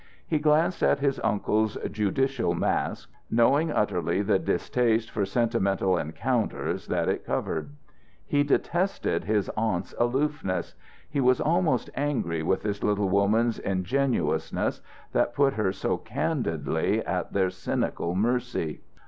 He glanced at his uncle's judicial mask, knowing utterly the distaste for sentimental encounters that it covered. He detested his aunt's aloofness. He was almost angry with this little woman's ingenuousness that put her so candidly at their cynical mercy.